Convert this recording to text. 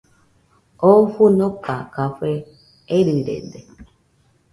Oo fɨnoka café erɨrede